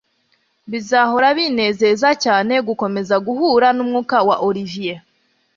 Bizahora binezeza cyane gukomeza guhura numwuka wa Olivier